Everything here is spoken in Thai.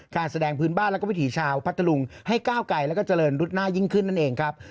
การแสดงพื้นบ้านแล้วก็วิถีชาวพัทธรุงให้ก้าวไกลแล้วก็เจริญรุดหน้ายิ่งขึ้นนั่นเองครับ